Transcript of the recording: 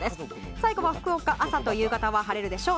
最後は福岡朝と夕方は晴れるでしょう。